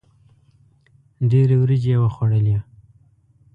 ډېري وریجي یې وخوړلې.